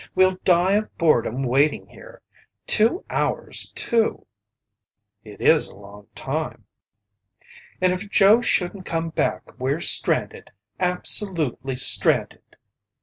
"We'll die of boredom waiting here. Two hours too!" "It is a long time." "And if Joe shouldn't come back, we're stranded absolutely stranded."